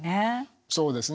そうですね。